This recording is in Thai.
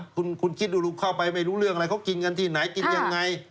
คุณคิดดูลูกเข้าไปไม่รู้เรื่องอะไรเขากินกันที่ไหนกินยังไง